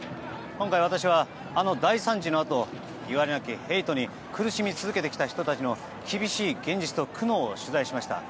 今回、私はあの大惨事のあといわれなきヘイトに苦しみ続けてきた人たちの厳しい現実と苦悩を取材しました。